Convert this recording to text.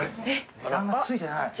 値段が付いてない。